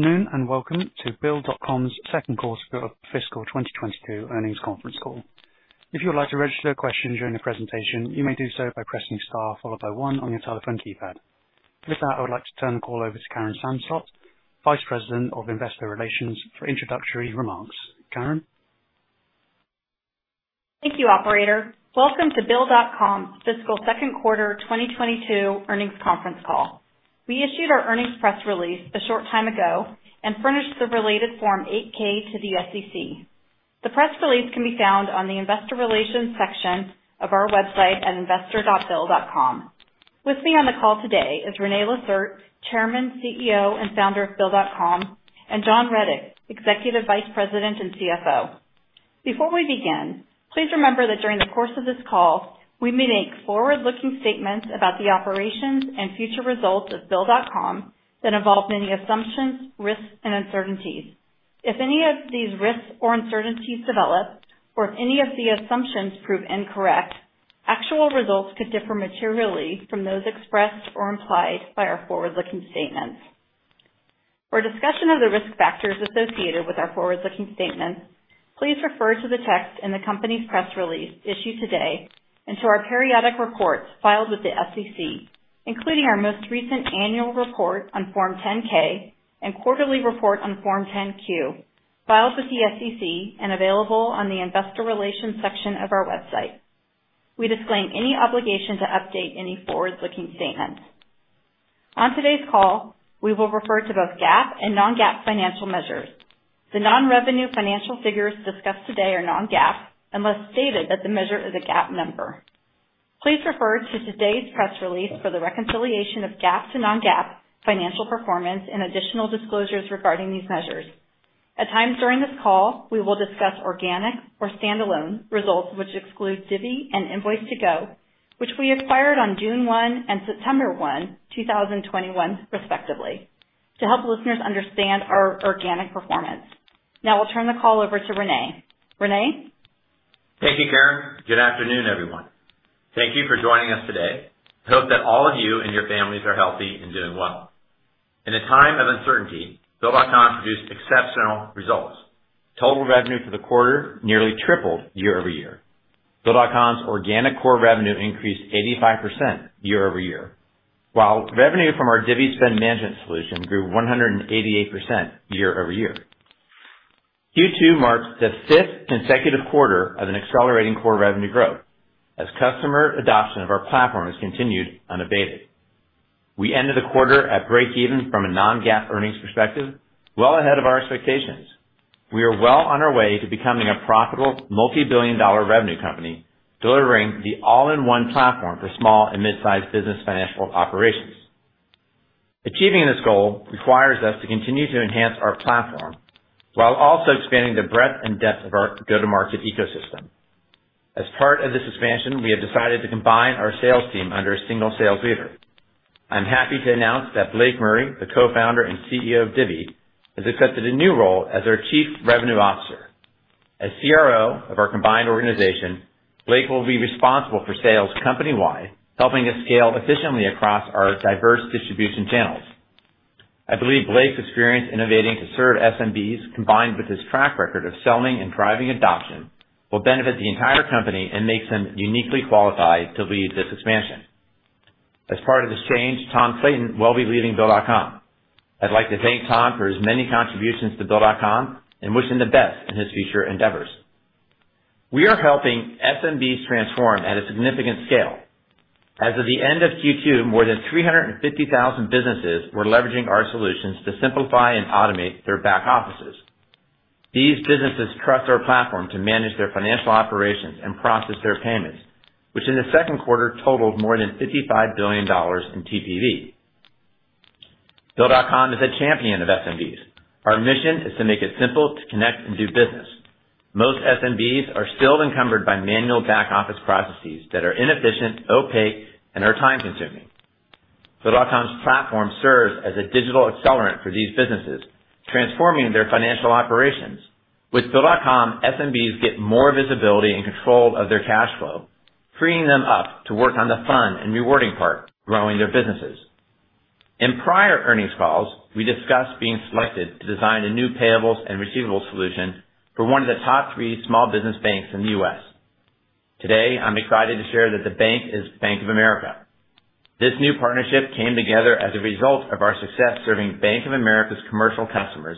Good afternoon, and welcome to Bill.com's Q2 fiscal 2022 earnings conference call. If you would like to register a question during the presentation, you may do so by pressing star followed by one on your telephone keypad. With that, I would like to turn the call over to Karen Sansot, Vice President of Investor Relations for introductory remarks. Karen? Thank you, operator. Welcome to Bill.com fiscal Q2 2022 earnings conference call. We issued our earnings press release a short time ago and furnished the related Form 8-K to the SEC. The press release can be found on the investor relations section of our website at investor.bill.com. With me on the call today is René Lacerte, Chairman, CEO, and Founder of Bill.com, and John Rettig, Executive Vice President and CFO. Before we begin, please remember that during the course of this call, we may make forward-looking statements about the operations and future results of Bill.com that involve many assumptions, risks, and uncertainties. If any of these risks or uncertainties develop, or if any of the assumptions prove incorrect, actual results could differ materially from those expressed or implied by our forward-looking statements. For a discussion of the risk factors associated with our forward-looking statements, please refer to the text in the company's press release issued today and to our periodic reports filed with the SEC, including our most recent annual report on Form 10-K and quarterly report on Form 10-Q, filed with the SEC and available on the investor relations section of our website. We disclaim any obligation to update any forward-looking statements. On today's call, we will refer to both GAAP and non-GAAP financial measures. The non-revenue financial figures discussed today are non-GAAP unless stated that the measure is a GAAP number. Please refer to today's press release for the reconciliation of GAAP to non-GAAP financial performance and additional disclosures regarding these measures. At times during this call, we will discuss organic or standalone results, which excludes Divvy and Invoice2go, which we acquired on June 1 and September 1, 2021 respectively, to help listeners understand our organic performance. Now I'll turn the call over to René. René? Thank you, Karen. Good afternoon, everyone. Thank you for joining us today. I hope that all of you and your families are healthy and doing well. In a time of uncertainty, Bill.com produced exceptional results. Total revenue for the quarter nearly tripled year-over-year. Bill.com's organic core revenue increased 85% year-over-year, while revenue from our Divvy spend management solution grew 188% year-over-year. Q2 marks the 5th consecutive quarter of an accelerating core revenue growth as customer adoption of our platform has continued unabated. We ended the quarter at breakeven from a non-GAAP earnings perspective, well ahead of our expectations. We are well on our way to becoming a profitable multi-billion dollar revenue company, delivering the all-in-one platform for small and mid-sized business financial operations. Achieving this goal requires us to continue to enhance our platform while also expanding the breadth and depth of our go-to-market ecosystem. As part of this expansion, we have decided to combine our sales team under a single sales leader. I'm happy to announce that Blake Murray, the co-founder and CEO of Divvy, has accepted a new role as our Chief Revenue Officer. As CRO of our combined organization, Blake will be responsible for sales company-wide, helping us scale efficiently across our diverse distribution channels. I believe Blake's experience innovating to serve SMBs, combined with his track record of selling and driving adoption, will benefit the entire company and makes him uniquely qualified to lead this expansion. As part of this change, Tom Clayton will be leaving Bill.com. I'd like to thank Tom for his many contributions to Bill.com and wish him the best in his future endeavors. We are helping SMBs transform at a significant scale. As of the end of Q2, more than 350,000 businesses were leveraging our solutions to simplify and automate their back offices. These businesses trust our platform to manage their financial operations and process their payments, which in the Q2 totaled more than $55 billion in TPV. Bill.com is a champion of SMBs. Our mission is to make it simple to connect and do business. Most SMBs are still encumbered by manual back-office processes that are inefficient, opaque, and are time-consuming. Bill.com's platform serves as a digital accelerant for these businesses, transforming their financial operations. With Bill.com, SMBs get more visibility and control of their cash flow, freeing them up to work on the fun and rewarding part, growing their businesses. In prior earnings calls, we discussed being selected to design a new payables and receivables solution for one of the top three small business banks in the U.S. Today, I'm excited to share that the bank is Bank of America. This new partnership came together as a result of our success serving Bank of America's commercial customers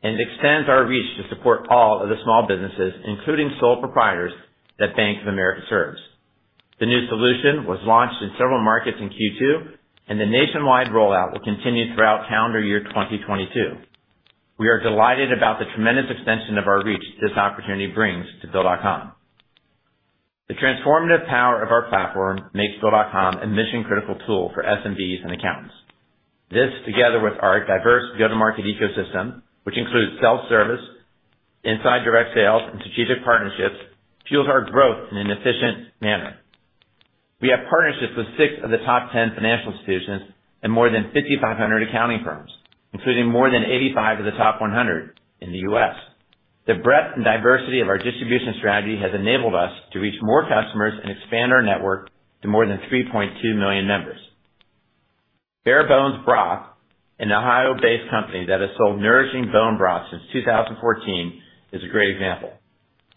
and extends our reach to support all of the small businesses, including sole proprietors, that Bank of America serves. The new solution was launched in several markets in Q2, and the nationwide rollout will continue throughout calendar year 2022. We are delighted about the tremendous extension of our reach this opportunity brings to Bill.com. The transformative power of our platform makes Bill.com a mission-critical tool for SMBs and accountants. This, together with our diverse go-to-market ecosystem, which includes self-service, inside direct sales, and strategic partnerships, fuels our growth in an efficient manner. We have partnerships with six of the top 10 financial institutions and more than 5,500 accounting firms, including more than 85 of the top 100 in the U.S. The breadth and diversity of our distribution strategy has enabled us to reach more customers and expand our network to more than 3.2 million members. Bare Bones Broth, an Ohio-based company that has sold nourishing bone broth since 2014, is a great example.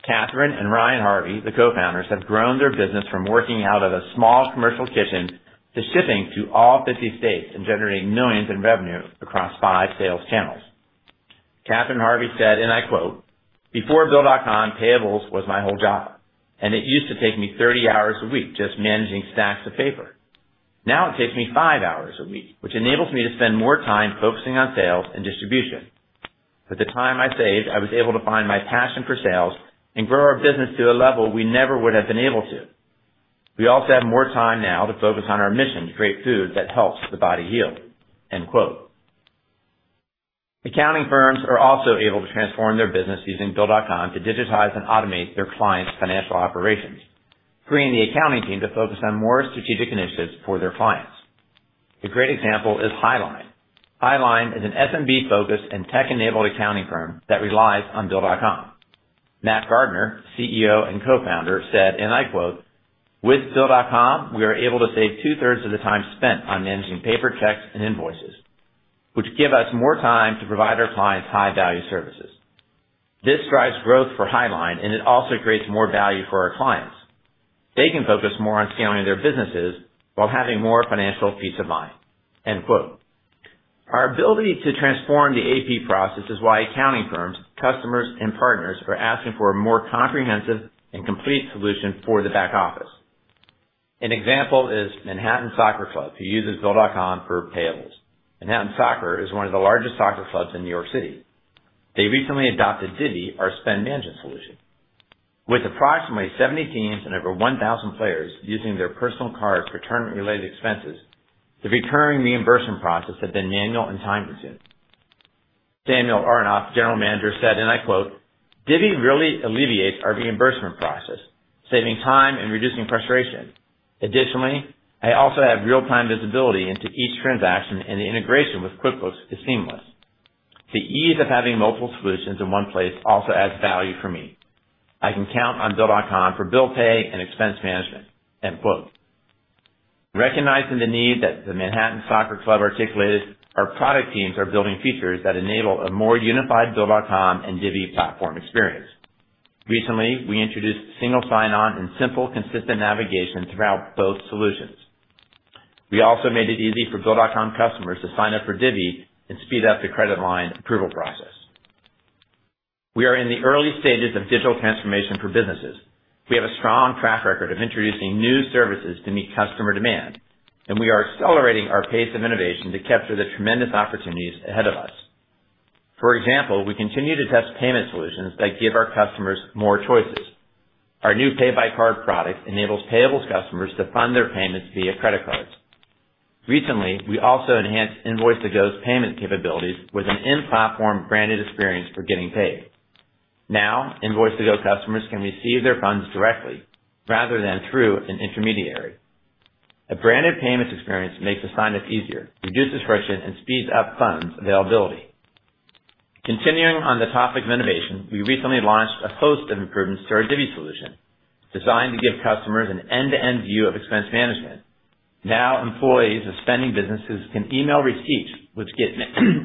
Katherine and Ryan Harvey, the co-founders, have grown their business from working out of a small commercial kitchen to shipping to all 50 states and generating millions in revenue across five sales channels. Katherine Harvey said, and I quote, "Before Bill.com, payables was my whole job, and it used to take me 30 hours a week just managing stacks of paper. Now it takes me five hours a week, which enables me to spend more time focusing on sales and distribution. With the time I saved, I was able to find my passion for sales and grow our business to a level we never would have been able to. We also have more time now to focus on our mission, great food that helps the body heal." End quote. Accounting firms are also able to transform their business using Bill.com to digitize and automate their clients' financial operations, freeing the accounting team to focus on more strategic initiatives for their clients. A great example is Hiline. Hiline is an SMB-focused and tech-enabled accounting firm that relies on Bill.com. Matthew Gardner, CEO and Co-founder, said, and I quote, "With Bill.com, we are able to save two-thirds of the time spent on managing paper checks and invoices, which give us more time to provide our clients high-value services. This drives growth for Hiline, and it also creates more value for our clients. They can focus more on scaling their businesses while having more financial peace of mind." End quote. Our ability to transform the AP process is why accounting firms, customers, and partners are asking for a more comprehensive and complete solution for the back office. An example is Manhattan Soccer Club, who uses Bill.com for payables. Manhattan Soccer is one of the largest soccer clubs in New York City. They recently adopted Divvy, our spend management solution. With approximately 70 teams and over 1,000 players using their personal card for tournament-related expenses, the return reimbursement process had been manual and time-consuming. Samuel Aronoff, General Manager, said, and I quote, "Divvy really alleviates our reimbursement process, saving time and reducing frustration. Additionally, I also have real-time visibility into each transaction, and the integration with QuickBooks is seamless. The ease of having multiple solutions in one place also adds value for me. I can count on Bill.com for bill pay and expense management." End quote. Recognizing the need that the Manhattan Soccer Club articulated, our product teams are building features that enable a more unified Bill.com and Divvy platform experience. Recently, we introduced single sign-on and simple, consistent navigation throughout both solutions. We also made it easy for Bill.com customers to sign up for Divvy and speed up the credit line approval process. We are in the early stages of digital transformation for businesses. We have a strong track record of introducing new services to meet customer demand, and we are accelerating our pace of innovation to capture the tremendous opportunities ahead of us. For example, we continue to test payment solutions that give our customers more choices. Our new Pay By Card product enables payables customers to fund their payments via credit cards. Recently, we also enhanced Invoice2go's payment capabilities with an in-platform branded experience for getting paid. Now, Invoice2go customers can receive their funds directly rather than through an intermediary. A branded payments experience makes the sign-up easier, reduces friction, and speeds up funds availability. Continuing on the topic of innovation, we recently launched a host of improvements to our Divvy solution, designed to give customers an end-to-end view of expense management. Now, employees of spending businesses can email receipts, which get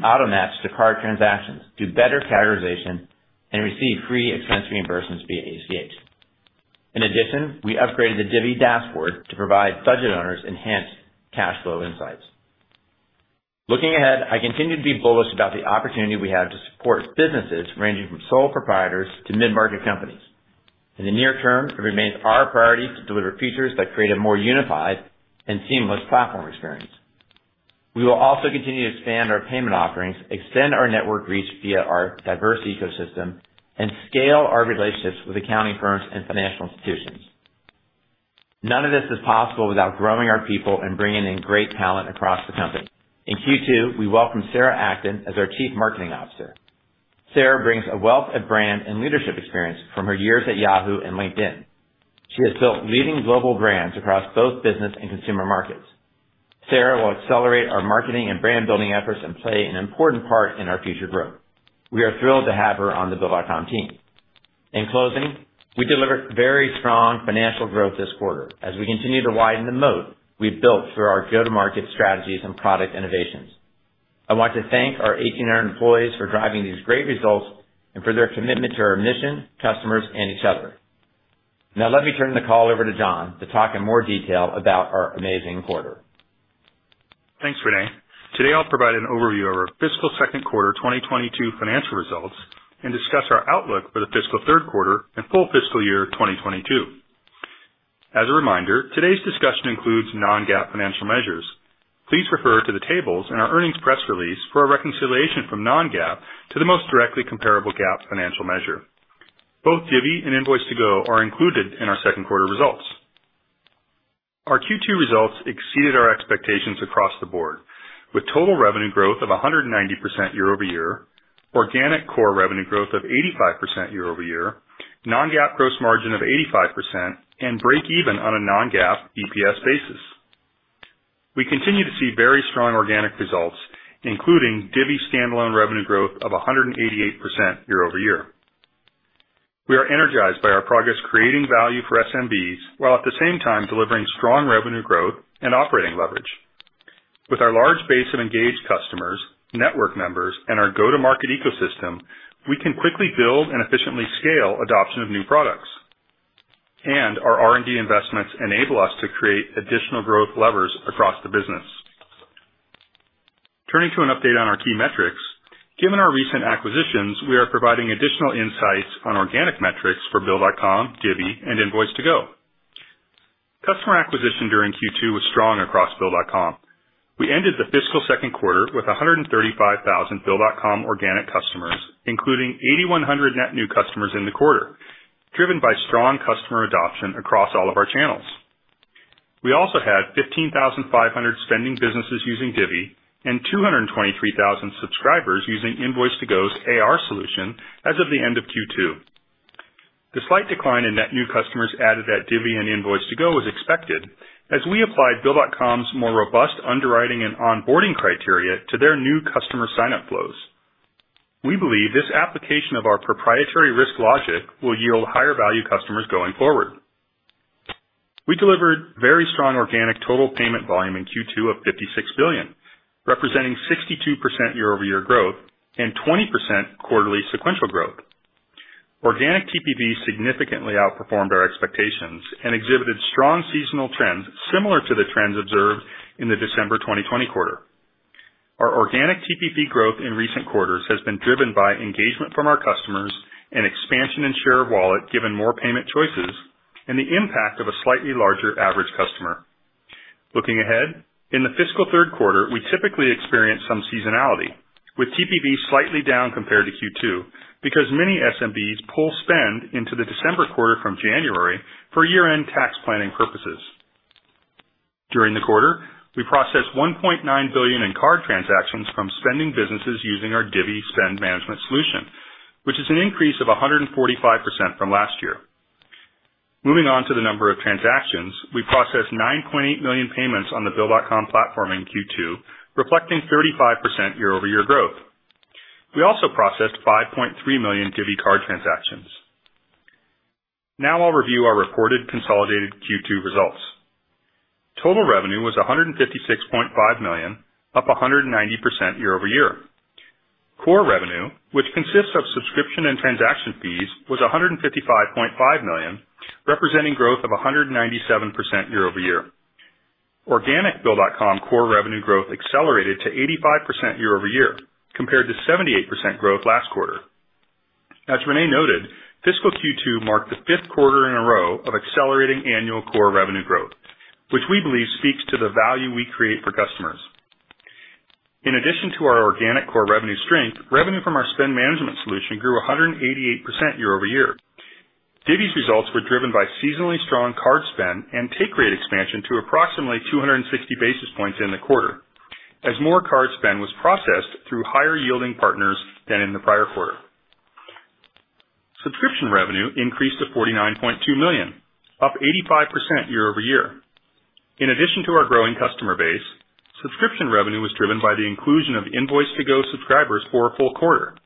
auto-matched to card transactions, do better categorization, and receive free expense reimbursements via ACH. In addition, we upgraded the Divvy dashboard to provide budget owners enhanced cash flow insights. Looking ahead, I continue to be bullish about the opportunity we have to support businesses ranging from sole proprietors to mid-market companies. In the near term, it remains our priority to deliver features that create a more unified and seamless platform experience. We will also continue to expand our payment offerings, extend our network reach via our diverse ecosystem, and scale our relationships with accounting firms and financial institutions. None of this is possible without growing our people and bringing in great talent across the company. In Q2, we welcomed Sarah Acton as our Chief Marketing Officer. Sarah brings a wealth of brand and leadership experience from her years at Yahoo and LinkedIn. She has built leading global brands across both business and consumer markets. Sarah will accelerate our marketing and brand building efforts and play an important part in our future growth. We are thrilled to have her on the Bill.com team. In closing, we delivered very strong financial growth this quarter as we continue to widen the moat we've built through our go-to-market strategies and product innovations. I want to thank our 1,800 employees for driving these great results and for their commitment to our mission, customers, and each other. Now, let me turn the call over to John to talk in more detail about our amazing quarter. Thanks, René. Today, I'll provide an overview of our fiscal Q2 2022 financial results and discuss our outlook for the fiscal Q3 and full fiscal year 2022. As a reminder, today's discussion includes non-GAAP financial measures. Please refer to the tables in our earnings press release for a reconciliation from non-GAAP to the most directly comparable GAAP financial measure. Both Divvy and Invoice2go are included in our Q2 results. Our Q2 results exceeded our expectations across the board, with total revenue growth of 190% year-over-year, organic core revenue growth of 85% year-over-year, non-GAAP gross margin of 85%, and break even on a non-GAAP EPS basis. We continue to see very strong organic results, including Divvy standalone revenue growth of 188% year-over-year. We are energized by our progress creating value for SMBs, while at the same time delivering strong revenue growth and operating leverage. With our large base of engaged customers, network members, and our go-to-market ecosystem, we can quickly build and efficiently scale adoption of new products. Our R&D investments enable us to create additional growth levers across the business. Turning to an update on our key metrics. Given our recent acquisitions, we are providing additional insights on organic metrics for Bill.com, Divvy, and Invoice2go. Customer acquisition during Q2 was strong across Bill.com. We ended the fiscal Q2 with 135,000 Bill.com organic customers, including 8,100 net new customers in the quarter, driven by strong customer adoption across all of our channels. We also had 15,500 spending businesses using Divvy and 223,000 subscribers using Invoice2go's AR solution as of the end of Q2. The slight decline in net new customers added at Divvy and Invoice2go was expected as we applied Bill.com's more robust underwriting and onboarding criteria to their new customer sign-up flows. We believe this application of our proprietary risk logic will yield higher value customers going forward. We delivered very strong organic total payment volume in Q2 of $56 billion, representing 62% year-over-year growth and 20% quarterly sequential growth. Organic TPV significantly outperformed our expectations and exhibited strong seasonal trends similar to the trends observed in the December 2020 quarter. Our organic TPV growth in recent quarters has been driven by engagement from our customers and expansion in share of wallet, given more payment choices and the impact of a slightly larger average customer. Looking ahead, in the fiscal Q3, we typically experience some seasonality with TPV slightly down compared to Q2 because many SMBs pull spend into the December quarter from January for year-end tax planning purposes. During the quarter, we processed $1.9 billion in card transactions from spending businesses using our Divvy Spend Management solution, which is an increase of 145% from last year. Moving on to the number of transactions, we processed 9.8 million payments on the Bill.com platform in Q2, reflecting 35% year-over-year growth. We also processed 5.3 million Divvy card transactions. Now I'll review our reported consolidated Q2 results. Total revenue was $156.5 million, up 190% year-over-year. Core revenue, which consists of subscription and transaction fees, was $155.5 million, representing growth of 197% year-over-year. Organic Bill.com core revenue growth accelerated to 85% year-over-year compared to 78% growth last quarter. Rene noted, fiscal Q2 marked the fifth quarter in a row of accelerating annual core revenue growth, which we believe speaks to the value we create for customers. In addition to our organic core revenue strength, revenue from our spend management solution grew 188% year-over-year. Divvy's results were driven by seasonally strong card spend and take rate expansion to approximately 260 basis points in the quarter as more card spend was processed through higher-yielding partners than in the prior quarter. Subscription revenue increased to $49.2 million, up 85% year-over-year. In addition to our growing customer base, subscription revenue was driven by the inclusion of Invoice2go subscribers for a full quarter.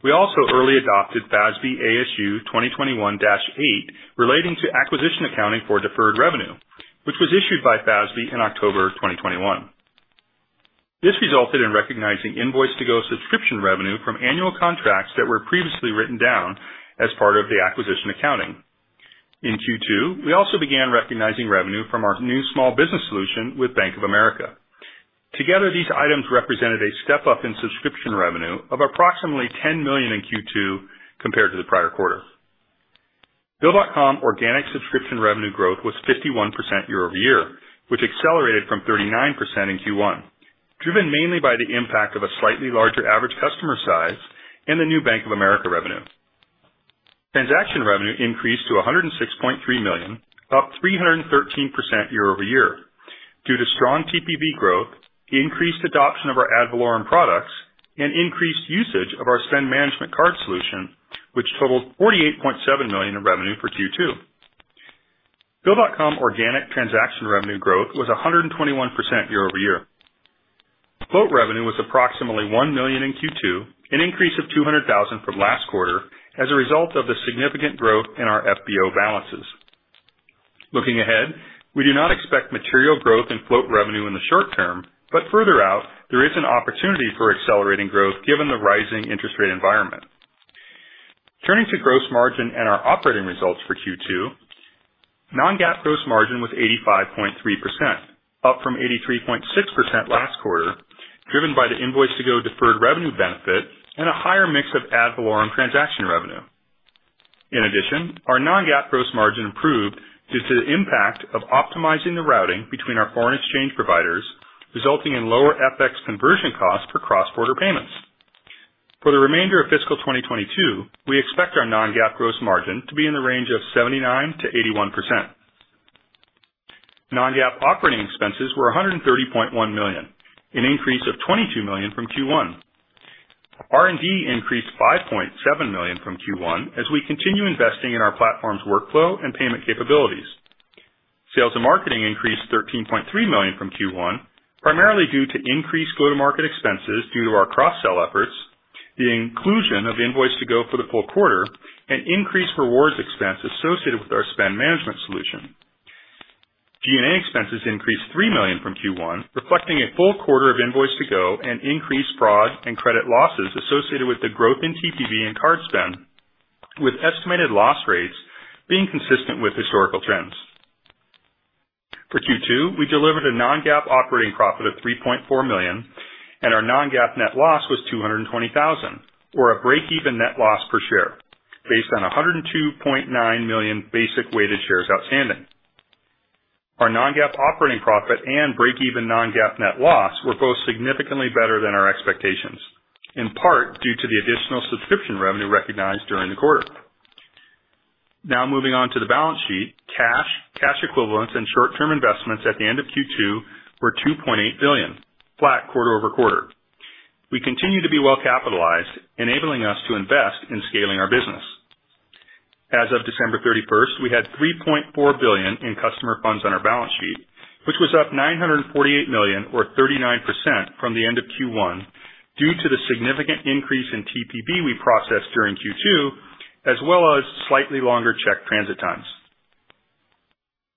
We also early adopted FASB ASU 2021-08, relating to acquisition accounting for deferred revenue, which was issued by FASB in October 2021. This resulted in recognizing Invoice2go subscription revenue from annual contracts that were previously written down as part of the acquisition accounting. In Q2, we also began recognizing revenue from our new small business solution with Bank of America. Together, these items represented a step-up in subscription revenue of approximately $10 million in Q2 compared to the prior quarter. Bill.com organic subscription revenue growth was 51% year over year, which accelerated from 39% in Q1, driven mainly by the impact of a slightly larger average customer size and the new Bank of America revenue. Transaction revenue increased to $106.3 million, up 313% year over year due to strong TPV growth, increased adoption of our Ad Valorem products, and increased usage of our spend management card solution, which totaled $48.7 million in revenue for Q2. Bill.com organic transaction revenue growth was 121% year over year. Float revenue was approximately $1 million in Q2, an increase of $200,000 from last quarter as a result of the significant growth in our FBO balances. Looking ahead, we do not expect material growth in float revenue in the short term, but further out there is an opportunity for accelerating growth given the rising interest rate environment. Turning to gross margin and our operating results for Q2. non-GAAP gross margin was 85.3%, up from 83.6% last quarter, driven by the Invoice2go deferred revenue benefit and a higher mix of Ad Valorem transaction revenue. In addition, our non-GAAP gross margin improved due to the impact of optimizing the routing between our foreign exchange providers, resulting in lower FX conversion costs for cross-border payments. For the remainder of fiscal 2022, we expect our non-GAAP gross margin to be in the range of 79%-81%. Non-GAAP operating expenses were $130.1 million, an increase of $22 million from Q1. R&D increased $5.7 million from Q1 as we continue investing in our platform's workflow and payment capabilities. Sales and marketing increased $13.3 million from Q1, primarily due to increased go-to-market expenses due to our cross-sell efforts, the inclusion of Invoice2go for the full quarter, and increased rewards expense associated with our spend management solution. G&A expenses increased $3 million from Q1, reflecting a full quarter of Invoice2go and increased fraud and credit losses associated with the growth in TPV and card spend, with estimated loss rates being consistent with historical trends. For Q2, we delivered a non-GAAP operating profit of $3.4 million and our non-GAAP net loss was $220,000, or a break-even net loss per share based on 102.9 million basic weighted shares outstanding. Our non-GAAP operating profit and break-even non-GAAP net loss were both significantly better than our expectations, in part due to the additional subscription revenue recognized during the quarter. Now moving on to the balance sheet. Cash, cash equivalents, and short-term investments at the end of Q2 were $2.8 billion, flat quarter-over-quarter. We continue to be well-capitalized, enabling us to invest in scaling our business. As of December 31st, we had $3.4 billion in customer funds on our balance sheet, which was up $948 million or 39% from the end of Q1 due to the significant increase in TPV we processed during Q2, as well as slightly longer check transit times.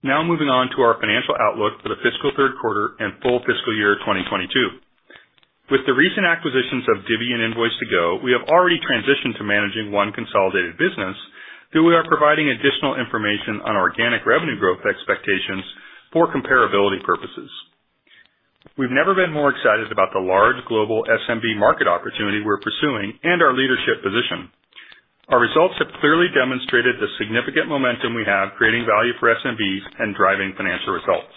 Now moving on to our financial outlook for the fiscal Q3 and full fiscal year 2022. With the recent acquisitions of Divvy and Invoice2go, we have already transitioned to managing one consolidated business, though we are providing additional information on organic revenue growth expectations for comparability purposes. We've never been more excited about the large global SMB market opportunity we're pursuing and our leadership position. Our results have clearly demonstrated the significant momentum we have creating value for SMBs and driving financial results.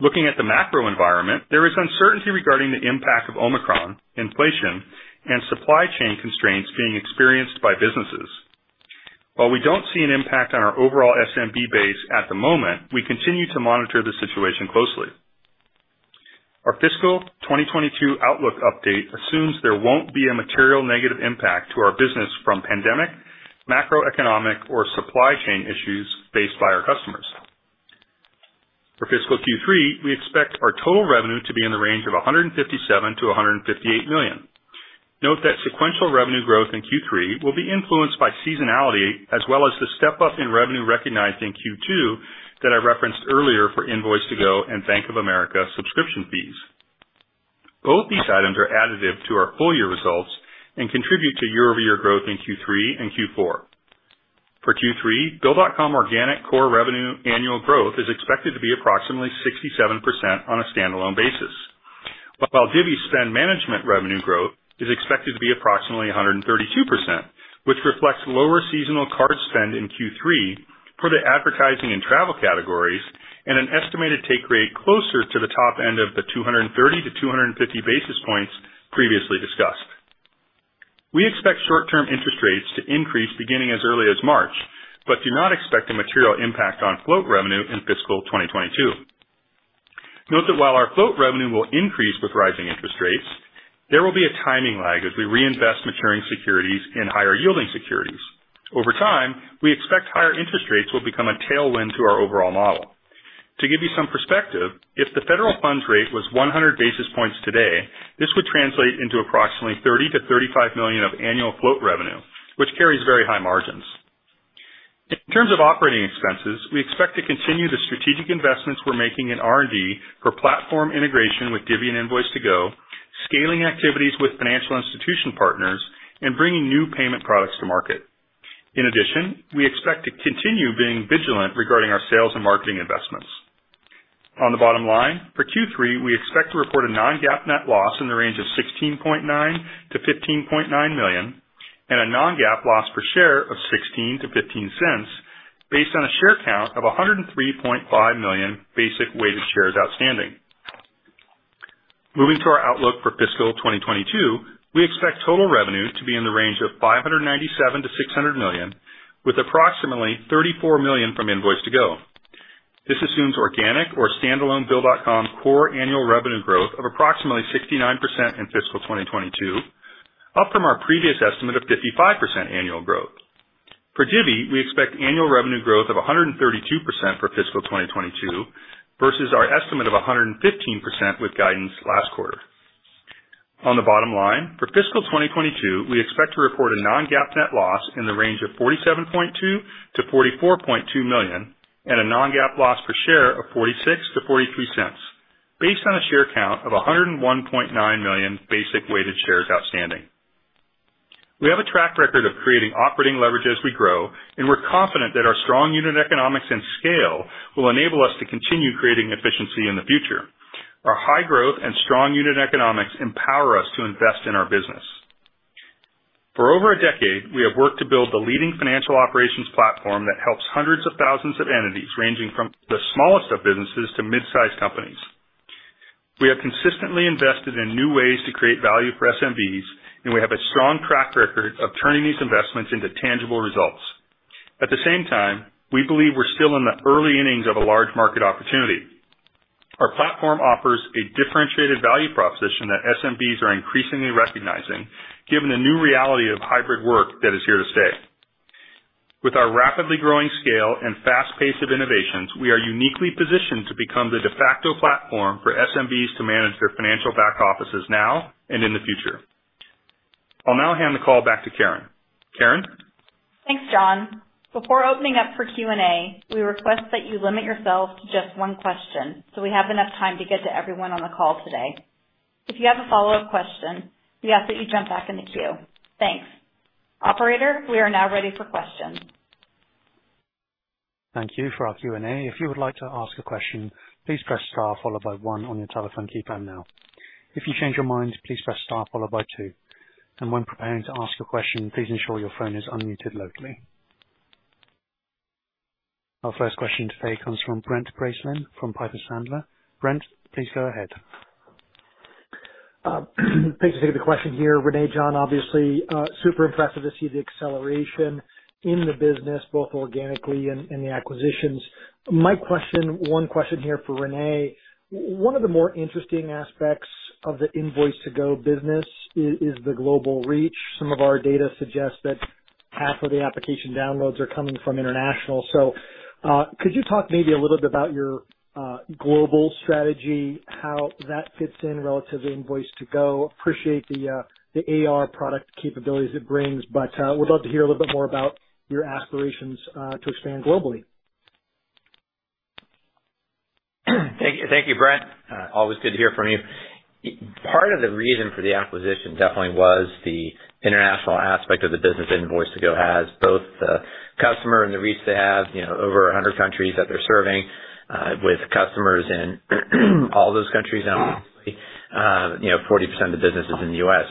Looking at the macro environment, there is uncertainty regarding the impact of Omicron, inflation, and supply chain constraints being experienced by businesses. While we don't see an impact on our overall SMB base at the moment, we continue to monitor the situation closely. Our fiscal 2022 outlook update assumes there won't be a material negative impact to our business from pandemic, macroeconomic, or supply chain issues faced by our customers. For fiscal Q3, we expect our total revenue to be in the range of $157 million-$158 million. Note that sequential revenue growth in Q3 will be influenced by seasonality as well as the step-up in revenue recognized in Q2 that I referenced earlier for Invoice2go and Bank of America subscription fees. Both these items are additive to our full-year results and contribute to year-over-year growth in Q3 and Q4. For Q3, Bill.com organic core revenue annual growth is expected to be approximately 67% on a standalone basis. While Divvy's spend management revenue growth is expected to be approximately 132%, which reflects lower seasonal card spend in Q3 for the advertising and travel categories and an estimated take rate closer to the top end of the 230-250 basis points previously discussed. We expect short-term interest rates to increase beginning as early as March, but do not expect a material impact on float revenue in fiscal 2022. Note that while our float revenue will increase with rising interest rates, there will be a timing lag as we reinvest maturing securities in higher-yielding securities. Over time, we expect higher interest rates will become a tailwind to our overall model. To give you some perspective, if the federal funds rate was 100 basis points today, this would translate into approximately $30 million-$35 million of annual float revenue, which carries very high margins. In terms of operating expenses, we expect to continue the strategic investments we're making in R&D for platform integration with Divvy and Invoice2go, scaling activities with financial institution partners, and bringing new payment products to market. In addition, we expect to continue being vigilant regarding our sales and marketing investments. On the bottom line, for Q3, we expect to report a non-GAAP net loss in the range of $16.9 million-$15.9 million and a non-GAAP loss per share of $0.16-$0.15 based on a share count of 103.5 million basic weighted shares outstanding. Moving to our outlook for fiscal 2022, we expect total revenue to be in the range of $597 million-$600 million, with approximately $34 million from Invoice2go. This assumes organic or standalone Bill.com core annual revenue growth of approximately 69% in fiscal 2022, up from our previous estimate of 55% annual growth. For Divvy, we expect annual revenue growth of 132% for fiscal 2022 versus our estimate of 115% with guidance last quarter. On the bottom line, for fiscal 2022, we expect to report a non-GAAP net loss in the range of $47.2 million to $44.2 million and a non-GAAP loss per share of $0.46 to $0.42 based on a share count of 101.9 million basic weighted shares outstanding. We have a track record of creating operating leverage as we grow, and we're confident that our strong unit economics and scale will enable us to continue creating efficiency in the future. Our high growth and strong unit economics empower us to invest in our business. For over a decade, we have worked to build the leading financial operations platform that helps hundreds of thousands of entities ranging from the smallest of businesses to mid-size companies. We have consistently invested in new ways to create value for SMBs, and we have a strong track record of turning these investments into tangible results. At the same time, we believe we're still in the early innings of a large market opportunity. Our platform offers a differentiated value proposition that SMBs are increasingly recognizing, given the new reality of hybrid work that is here to stay. With our rapidly growing scale and fast pace of innovations, we are uniquely positioned to become the de facto platform for SMBs to manage their financial back offices now and in the future. I'll now hand the call back to Karen. Karen? Thanks, John. Before opening up for Q&A, we request that you limit yourself to just one question, so we have enough time to get to everyone on the call today. If you have a follow-up question, we ask that you jump back in the queue. Thanks. Operator, we are now ready for questions. Thank you. For our Q&A, if you would like to ask a question, please press star followed by one on your telephone keypad now. If you change your mind, please press star followed by two. When preparing to ask a question, please ensure your phone is unmuted locally. Our first question today comes from Brent Bracelin from Piper Sandler. Brent, please go ahead. Thanks for taking the question here, René, John, obviously super impressive to see the acceleration in the business, both organically and the acquisitions. My question, one question here for René. One of the more interesting aspects of the Invoice2go business is the global reach. Some of our data suggests that half of the application downloads are coming from international. Could you talk maybe a little bit about your global strategy, how that fits in relative to Invoice2go? Appreciate the AR product capabilities it brings, but would love to hear a little bit more about your aspirations to expand globally. Thank you, Brent. Always good to hear from you. Part of the reason for the acquisition definitely was the international aspect of the business Invoice2go has, both the customer and the reach they have, you know, over 100 countries that they're serving, with customers in all those countries and obviously, you know, 40% of the business is in the U.S.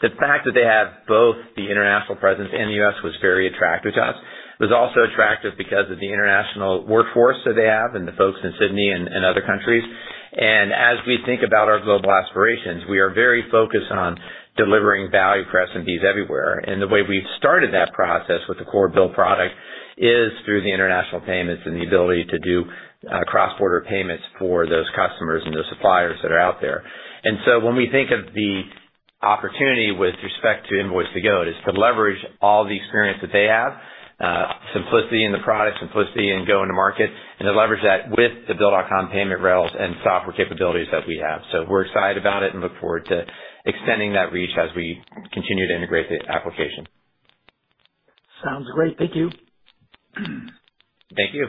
The fact that they have both the international presence and U.S. was very attractive to us. It was also attractive because of the international workforce that they have and the folks in Sydney and other countries. As we think about our global aspirations, we are very focused on delivering value for SMBs everywhere. The way we've started that process with the core bill product is through the international payments and the ability to do cross-border payments for those customers and those suppliers that are out there. When we think of the opportunity with respect to Invoice2go, it is to leverage all the experience that they have, simplicity in the product, simplicity in going to market, and to leverage that with the bill.com payment rails and software capabilities that we have. We're excited about it and look forward to extending that reach as we continue to integrate the application. Sounds great. Thank you. Thank you.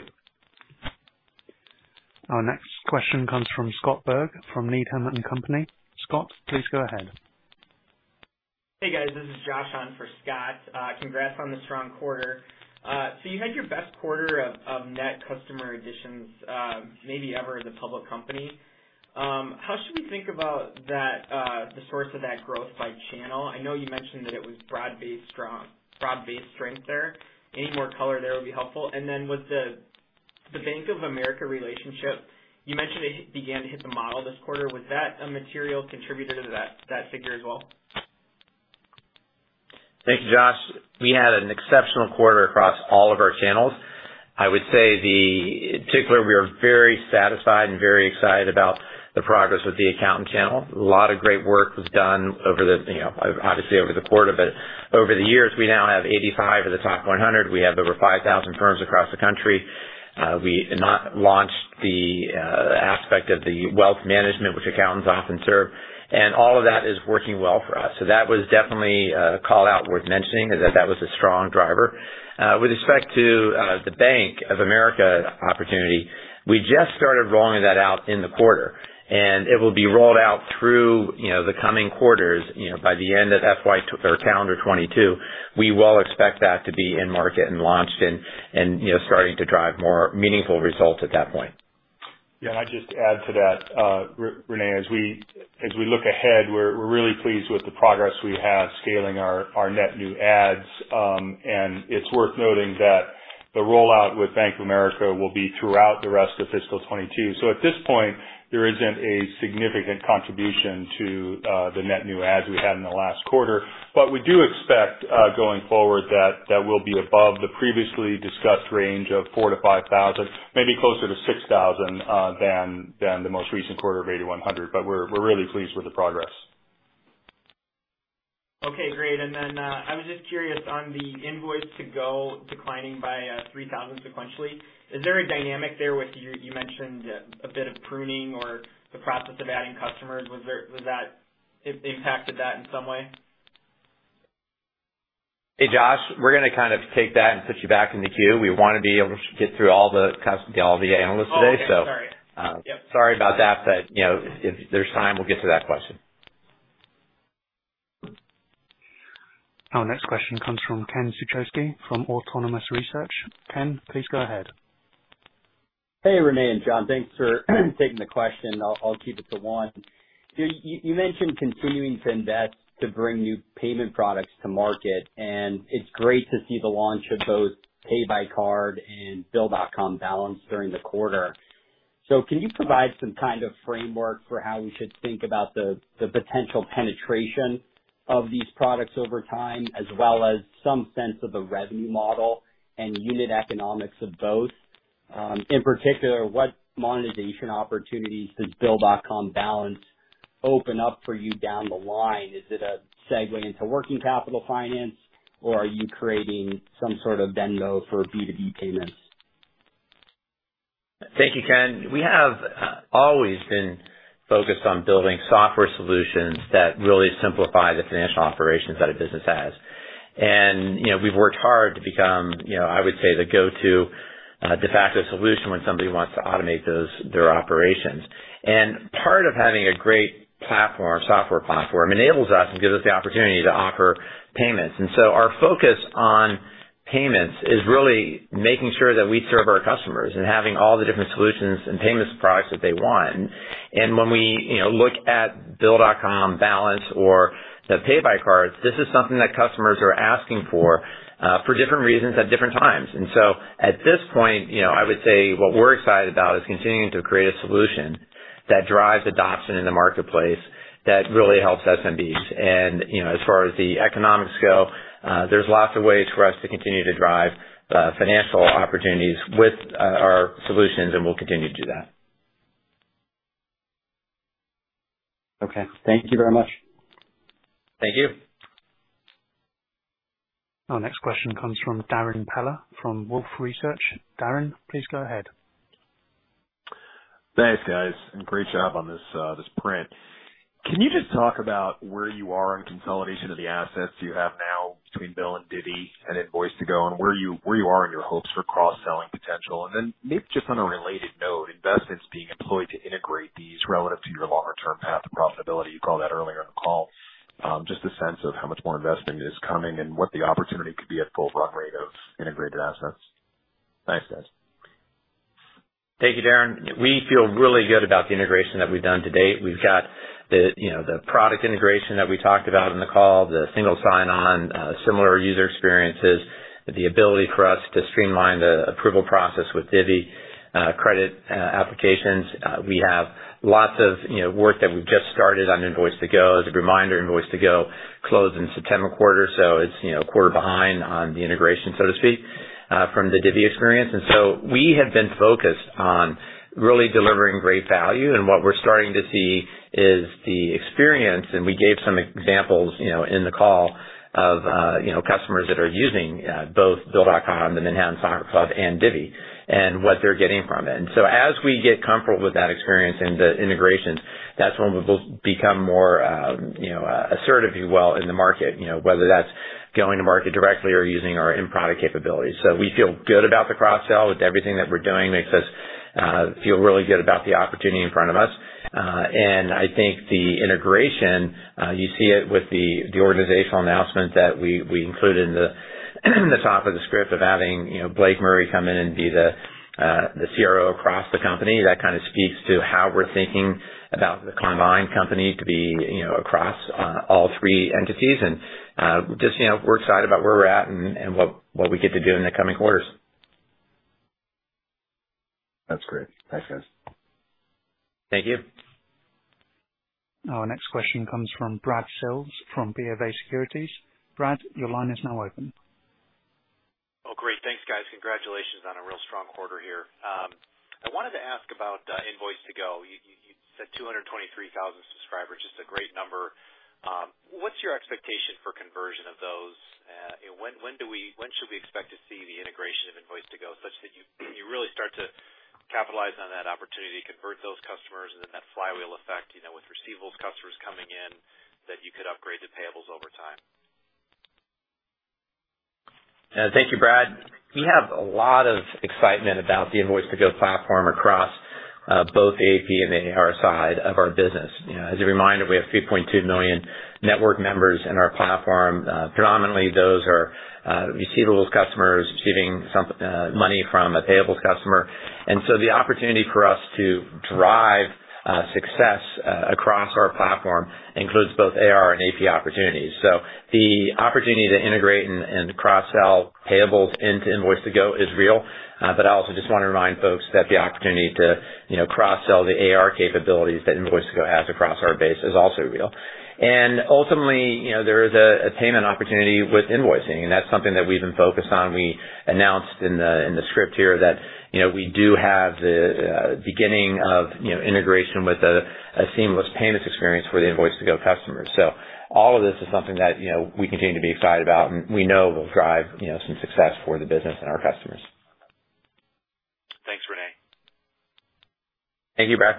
Our next question comes from Scott Berg from Needham & Company. Scott, please go ahead. Hey, guys, this is Josh on for Scott. Congrats on the strong quarter. You had your best quarter of net customer additions, maybe ever as a public company. How should we think about that, the source of that growth by channel? I know you mentioned that it was broad-based strength there. Any more color there would be helpful. With the Bank of America relationship, you mentioned it began to hit the model this quarter. Was that a material contributor to that figure as well? Thank you, Josh. We had an exceptional quarter across all of our channels. I would say, particularly, we are very satisfied and very excited about the progress with the accountant channel. A lot of great work was done over the, you know, obviously over the quarter, but over the years, we now have 85 of the top 100. We have over 5,000 firms across the country. We now launched the aspect of the wealth management which accountants often serve, and all of that is working well for us. That was definitely a call-out worth mentioning, is that that was a strong driver. With respect to the Bank of America opportunity, we just started rolling that out in the quarter, and it will be rolled out through, you know, the coming quarters. You know, by the end of FY 2022 or calendar 2022, we will expect that to be in market and launched and, you know, starting to drive more meaningful results at that point. Yeah, I'd just add to that, René, as we look ahead, we're really pleased with the progress we have scaling our net new adds. It's worth noting that the rollout with Bank of America will be throughout the rest of fiscal 2022. At this point, there isn't a significant contribution to the net new adds we had in the last quarter. We do expect, going forward, that that will be above the previously discussed range of 4,000-5,000, maybe closer to 6,000 than the most recent quarter of 8,100. We're really pleased with the progress. Okay, great. I was just curious on the Invoice2go declining by 3,000 sequentially. Is there a dynamic there with your, You mentioned a bit of pruning or the process of adding customers. Was that impacted that in some way? Hey, Josh, we're gonna kind of take that and put you back in the queue. We wanna be able to get through all the analysts today. Oh, okay. Sorry. So, uh. Yep. Sorry about that. You know, if there's time, we'll get to that question. Our next question comes from Ken Suchoski from Autonomous Research. Ken, please go ahead. Hey, René and John. Thanks for taking the question. I'll keep it to one. You mentioned continuing to invest to bring new payment products to market, and it's great to see the launch of both Pay By Card and Bill.com Balance during the quarter. Can you provide some kind of framework for how we should think about the potential penetration of these products over time, as well as some sense of the revenue model and unit economics of both. In particular, what monetization opportunities does BILL Balance open up for you down the line? Is it a segue into working capital finance, or are you creating some sort of Venmo for B2B payments? Thank you, Ken. We have always been focused on building software solutions that really simplify the financial operations that a business has. You know, we've worked hard to become, you know, I would say the go-to de facto solution when somebody wants to automate those, their operations. Part of having a great platform, software platform, enables us and gives us the opportunity to offer payments. Our focus on payments is really making sure that we serve our customers and having all the different solutions and payments products that they want. When we, you know, look at Bill.com Balance or the Pay By Card, this is something that customers are asking for for different reasons at different times. At this point, you know, I would say what we're excited about is continuing to create a solution that drives adoption in the marketplace that really helps SMBs. You know, as far as the economics go, there's lots of ways for us to continue to drive financial opportunities with our solutions, and we'll continue to do that. Okay. Thank you very much. Thank you. Our next question comes from Darrin Peller from Wolfe Research. Darrin, please go ahead. Thanks, guys, and great job on this this print. Can you just talk about where you are in consolidation of the assets you have now between BILL and Divvy and Invoice2go, and where you are in your hopes for cross-selling potential? Maybe just on a related note, investments being employed to integrate these relative to your longer term path to profitability. You called out earlier in the call, just the sense of how much more investment is coming and what the opportunity could be at full run rate of integrated assets. Thanks, guys. Thank you, Darrin. We feel really good about the integration that we've done to date. We've got the, you know, the product integration that we talked about on the call, the single sign on, similar user experiences, the ability for us to streamline the approval process with Divvy, credit applications. We have lots of, you know, work that we've just started on Invoice2go. As a reminder, Invoice2go closed in September quarter, so it's, you know, a quarter behind on the integration, so to speak, from the Divvy experience. We have been focused on really delivering great value. What we're starting to see is the experience, and we gave some examples, you know, in the call of, you know, customers that are using both Bill.com and Invoice2go and Divvy and what they're getting from it. As we get comfortable with that experience and the integrations, that's when we'll become more, you know, assertive, if you will, in the market, you know, whether that's going to market directly or using our in-product capabilities. We feel good about the cross-sell with everything that we're doing, makes us feel really good about the opportunity in front of us. I think the integration you see it with the organizational announcement that we include in the top of the script of adding, you know, Blake Murray come in and be the CRO across the company. That kind of speaks to how we're thinking about the combined company to be, you know, across all three entities. Just, you know, we're excited about where we're at and what we get to do in the coming quarters. That's great. Thanks, guys. Thank you. Our next question comes from Brad Sills from BofA Securities. Brad, your line is now open. Oh, great. Thanks, guys. Congratulations on a real strong quarter here. I wanted to ask about Invoice2go. You said 223,000 subscribers. Just a great number. What's your expectation for conversion of those? When should we expect to see the integration of Invoice2go such that you really start to capitalize on that opportunity to convert those customers and then that flywheel effect, you know, with receivables customers coming in that you could upgrade to payables over time? Thank you, Brad. We have a lot of excitement about the Invoice2go platform across both the AP and AR side of our business. You know, as a reminder, we have 3.2 million network members in our platform. Predominantly those are receivables customers receiving some money from a payable customer. The opportunity for us to drive success across our platform includes both AR and AP opportunities. The opportunity to integrate and cross-sell payables into Invoice2go is real. But I also just wanna remind folks that the opportunity to, you know, cross-sell the AR capabilities that Invoice2go has across our base is also real. Ultimately, you know, there is a payment opportunity with invoicing, and that's something that we've been focused on. We announced in the script here that, you know, we do have the beginning of, you know, integration with a seamless payments experience for the Invoice2go customers. All of this is something that, you know, we continue to be excited about and we know will drive, you know, some success for the business and our customers. Thanks, René. Thank you, Brad.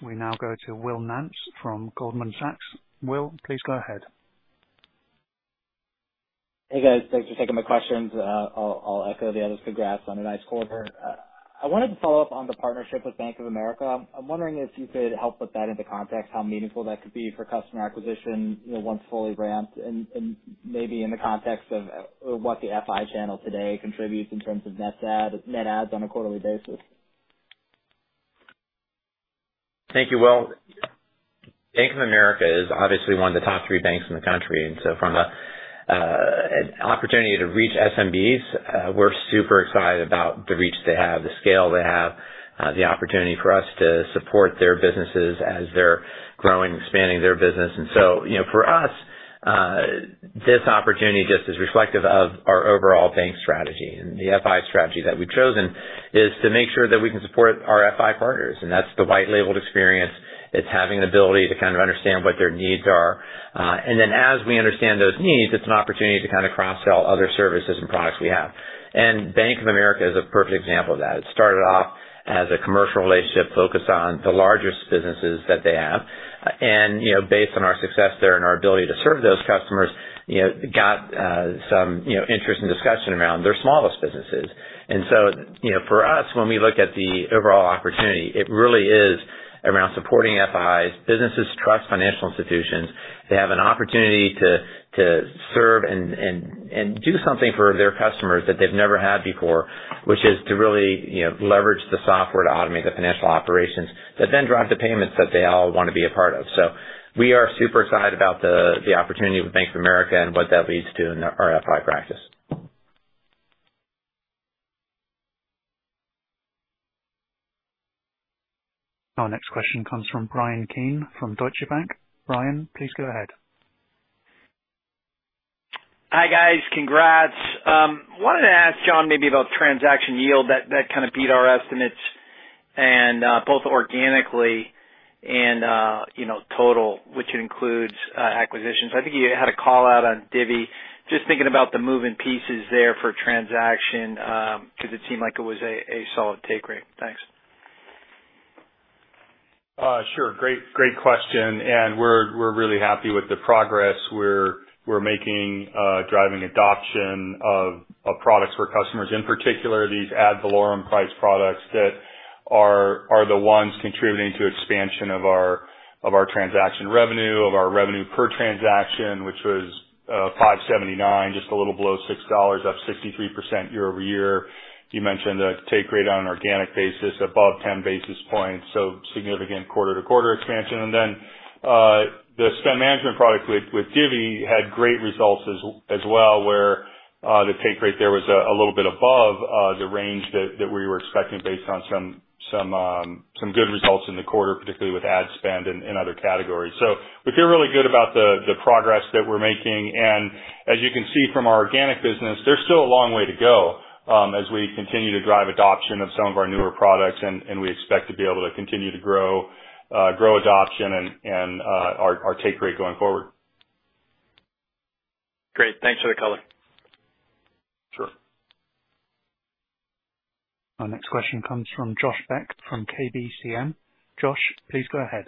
We now go to Will Nance from Goldman Sachs. Will, please go ahead. Hey, guys, thanks for taking my questions. I'll echo the others. Congrats on a nice quarter. I wanted to follow up on the partnership with Bank of America. I'm wondering if you could help put that into context, how meaningful that could be for customer acquisition, you know, once fully ramped, and maybe in the context of what the FI channel today contributes in terms of net add, net adds on a quarterly basis. Thank you, Will. Bank of America is obviously one of the top three banks in the country. From an opportunity to reach SMBs. We're super excited about the reach they have, the scale they have, the opportunity for us to support their businesses as they're growing and expanding their business. You know, for us, this opportunity just is reflective of our overall bank strategy. The FI strategy that we've chosen is to make sure that we can support our FI partners. That's the white labeled experience. It's having the ability to kind of understand what their needs are. Then as we understand those needs, it's an opportunity to kind of cross-sell other services and products we have. Bank of America is a perfect example of that. It started off as a commercial relationship focused on the largest businesses that they have. You know, based on our success there and our ability to serve those customers, you know, got some, you know, interest and discussion around their smallest businesses. You know, for us, when we look at the overall opportunity, it really is around supporting FIs. Businesses trust financial institutions. They have an opportunity to serve and do something for their customers that they've never had before, which is to really, you know, leverage the software to automate the financial operations that then drive the payments that they all wanna be a part of. We are super excited about the opportunity with Bank of America and what that leads to in our FI practice. Our next question comes from Bryan Keane from Deutsche Bank. Bryan, please go ahead. Hi, guys. Congrats. Wanted to ask John maybe about transaction yield that kinda beat our estimates and both organically and you know total, which includes acquisitions. I think you had a call out on Divvy. Just thinking about the moving pieces there for transaction 'cause it seemed like it was a solid take rate. Thanks. Sure. Great question, and we're really happy with the progress we're making, driving adoption of products for customers, in particular these Ad Valorem price products that are the ones contributing to expansion of our transaction revenue, of our revenue per transaction, which was $5.79, just a little below $6, up 63% year-over-year. You mentioned the take rate on an organic basis above 10 basis points, so significant quarter-to-quarter expansion. The spend management product with Divvy had great results as well, where the take rate there was a little bit above the range that we were expecting based on some good results in the quarter, particularly with ad spend and other categories. We feel really good about the progress that we're making. As you can see from our organic business, there's still a long way to go, as we continue to drive adoption of some of our newer products, and we expect to be able to continue to grow adoption and our take rate going forward. Great. Thanks for the color. Sure. Our next question comes from Josh Beck from KBCM. Josh, please go ahead.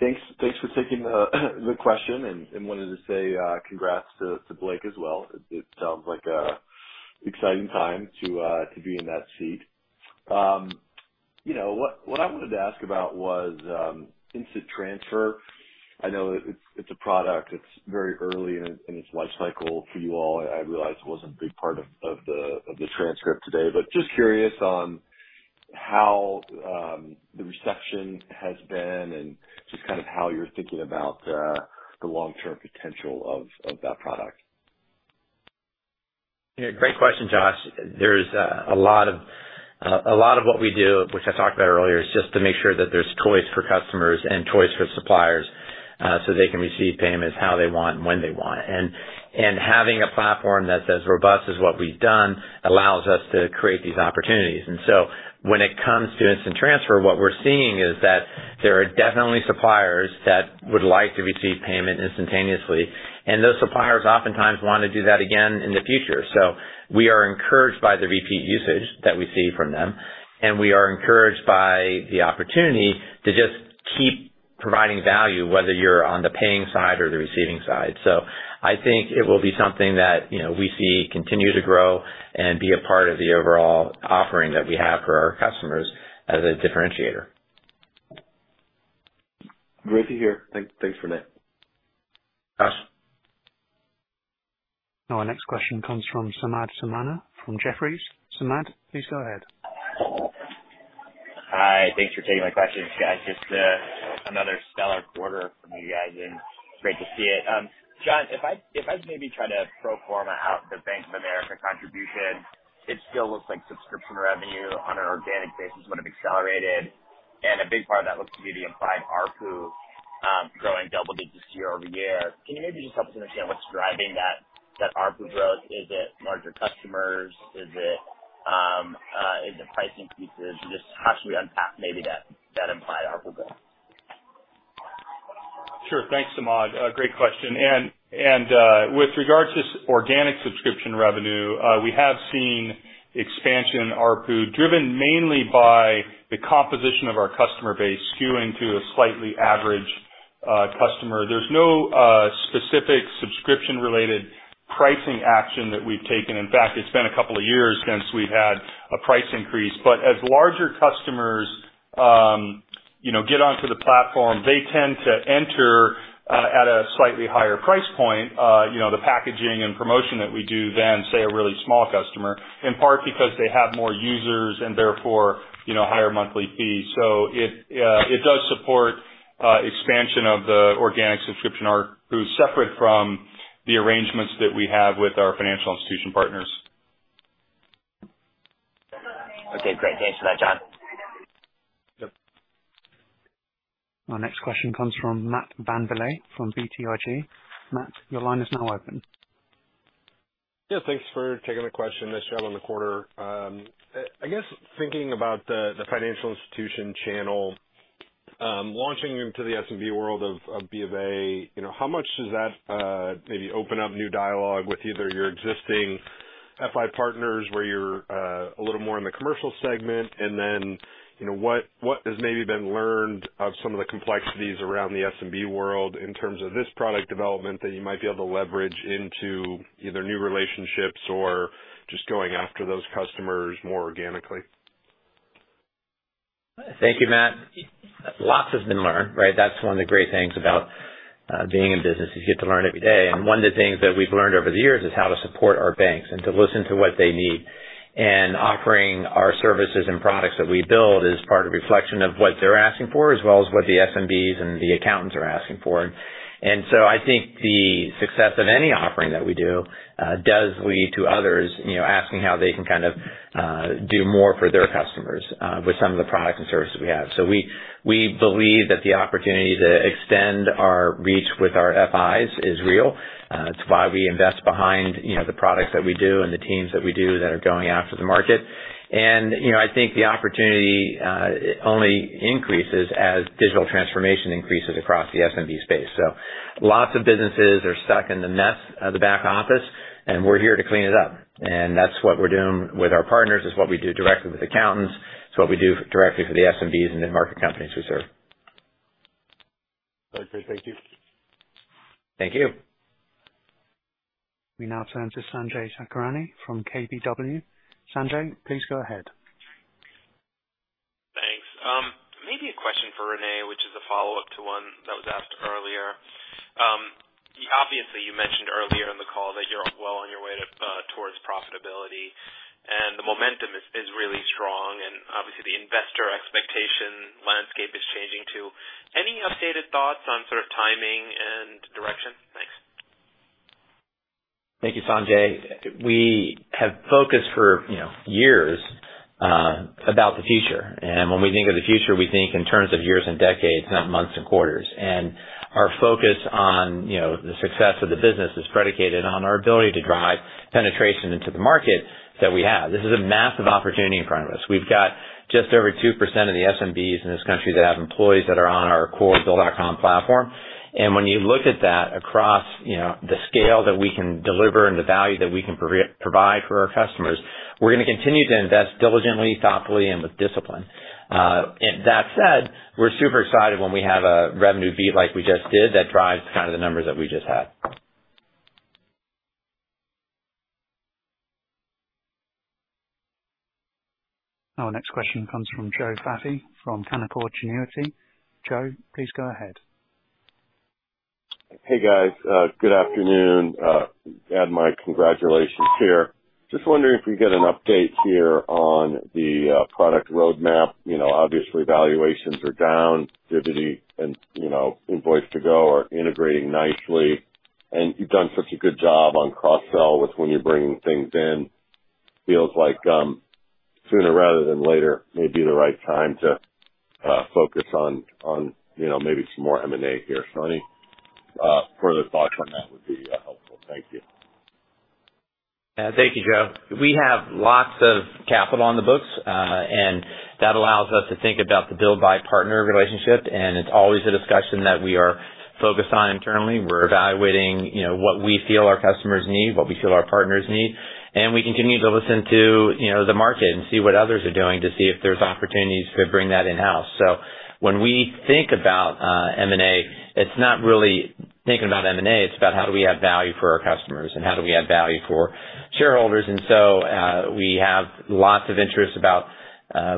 Thanks for taking the question, and wanted to say congrats to Blake as well. It sounds like a exciting time to be in that seat. You know, what I wanted to ask about was Instant Transfer. I know it's a product that's very early in its life cycle for you all. I realize it wasn't a big part of the transcript today, but just curious on how the reception has been and just kind of how you're thinking about the long-term potential of that product. You know, great question, Josh. There's a lot of what we do, which I talked about earlier, is just to make sure that there's choice for customers and choice for suppliers, so they can receive payments how they want and when they want. Having a platform that's as robust as what we've done allows us to create these opportunities. When it comes to Instant Transfer, what we're seeing is that there are definitely suppliers that would like to receive payment instantaneously, and those suppliers oftentimes wanna do that again in the future. We are encouraged by the repeat usage that we see from them, and we are encouraged by the opportunity to just keep providing value, whether you're on the paying side or the receiving side. I think it will be something that, you know, we see continue to grow and be a part of the overall offering that we have for our customers as a differentiator. Great to hear. Thanks for that. Yes. Our next question comes from Samad Samana from Jefferies. Samad, please go ahead. Hi. Thanks for taking my questions, guys. Just another stellar quarter from you guys, and great to see it. John, if I maybe try to pro forma out the Bank of America contribution, it still looks like subscription revenue on an organic basis would have accelerated. A big part of that looks to be the implied ARPU growing double digits year over year. Can you maybe just help us understand what's driving that ARPU growth? Is it larger customers? Is it pricing pieces? Just how should we unpack maybe that implied ARPU growth? Sure. Thanks, Samad. A great question. With regards to organic subscription revenue, we have seen expansion ARPU driven mainly by the composition of our customer base skewing to a slightly average customer. There's no specific subscription-related pricing action that we've taken. In fact, it's been a couple of years since we've had a price increase. As larger customers, you know, get onto the platform, they tend to enter at a slightly higher price point, you know, the packaging and promotion that we do than, say, a really small customer, in part because they have more users and therefore, you know, higher monthly fees. It does support expansion of the organic subscription ARPU separate from the arrangements that we have with our financial institution partners. Okay, great. Thanks for that, John. Yep. Our next question comes from Matt VanVliet from BTIG. Matt, your line is now open. Yeah, thanks for taking the question this year on the quarter. I guess thinking about the financial institution channel, launching into the SMB world of Bank of America, you know, how much does that maybe open up new dialogue with either your existing FI partners where you're a little more in the commercial segment? Then, you know, what has maybe been learned of some of the complexities around the SMB world in terms of this product development that you might be able to leverage into either new relationships or just going after those customers more organically? Thank you, Matt. Lots has been learned, right? That's one of the great things about being in business, is you get to learn every day. One of the things that we've learned over the years is how to support our banks and to listen to what they need. Offering our services and products that we build is part of reflection of what they're asking for, as well as what the SMBs and the accountants are asking for. I think the success of any offering that we do does lead to others, you know, asking how they can kind of do more for their customers with some of the products and services we have. We believe that the opportunity to extend our reach with our FIs is real. It's why we invest behind, you know, the products that we do and the teams that we do that are going after the market. You know, I think the opportunity only increases as digital transformation increases across the SMB space. Lots of businesses are stuck in the mess of the back office, and we're here to clean it up. That's what we're doing with our partners, it's what we do directly with accountants, it's what we do directly for the SMBs and mid-market companies we serve. Very clear. Thank you. Thank you. We now turn to Sanjay Sakhrani from KBW. Sanjay, please go ahead. Thanks. Maybe a question for René, which is a follow-up to one that was asked earlier. Obviously, you mentioned earlier in the call that you're well on your way towards profitability, and the momentum is really strong. Obviously the investor expectation landscape is changing too. Any updated thoughts on sort of timing and direction? Thanks. Thank you, Sanjay. We have focused for, you know, years, about the future. When we think of the future, we think in terms of years and decades, not months and quarters. Our focus on, you know, the success of the business is predicated on our ability to drive penetration into the market that we have. This is a massive opportunity in front of us. We've got just over 2% of the SMBs in this country that have employees that are on our core Bill.com platform. When you look at that across, you know, the scale that we can deliver and the value that we can provide for our customers, we're gonna continue to invest diligently, thoughtfully, and with discipline. That said, we're super excited when we have a revenue beat like we just did that drives kind of the numbers that we just had. Our next question comes from Joseph Vafi from Canaccord Genuity. Joseph, please go ahead. Hey, guys, good afternoon. Add my congratulations here. Just wondering if we can get an update here on the product roadmap. You know, obviously valuations are down. Divvy and, you know, Invoice2go are integrating nicely, and you've done such a good job on cross-sell with when you're bringing things in. Feels like sooner rather than later may be the right time to focus on you know, maybe some more M&A here. Any further thoughts on that would be helpful. Thank you. Thank you, Joe. We have lots of capital on the books, and that allows us to think about the build, buy, partner relationship, and it's always a discussion that we are focused on internally. We're evaluating, you know, what we feel our customers need, what we feel our partners need, and we continue to listen to, you know, the market and see what others are doing to see if there's opportunities to bring that in-house. When we think about M&A, it's not really thinking about M&A, it's about how do we add value for our customers and how do we add value for shareholders. We have lots of interest about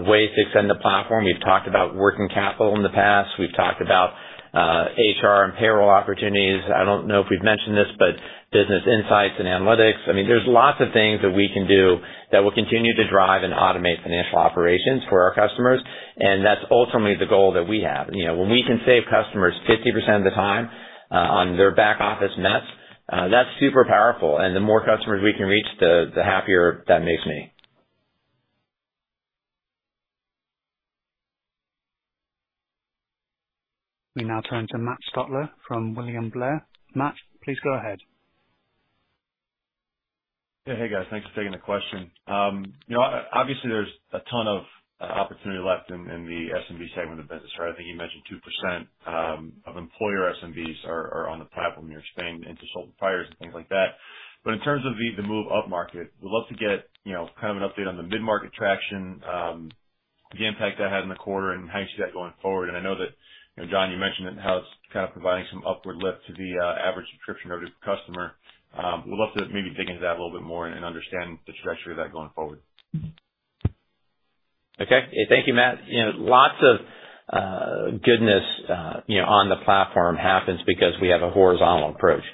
ways to extend the platform. We've talked about working capital in the past. We've talked about HR and payroll opportunities. I don't know if we've mentioned this, but business insights and analytics. I mean, there's lots of things that we can do that will continue to drive and automate financial operations for our customers, and that's ultimately the goal that we have. You know, when we can save customers 50% of the time on their back office mess, that's super powerful. The more customers we can reach, the happier that makes me. We now turn to Matt Stotler from William Blair. Matthew, please go ahead. Yeah. Hey, guys, thanks for taking the question. You know, obviously there's a ton of opportunity left in the SMB segment of the business, right? I think you mentioned 2% of employer SMBs are on the platform, and you're expanding into sole proprietors and things like that. In terms of the move upmarket, we'd love to get, you know, kind of an update on the mid-market traction, the impact that had in the quarter and how you see that going forward. I know that, you know, John, you mentioned it and how it's kind of providing some upward lift to the average subscription revenue per customer. We'd love to maybe dig into that a little bit more and understand the trajectory of that going forward. Okay. Thank you, Matt. You know, lots of goodness, you know, on the platform happens because we have a horizontal approach,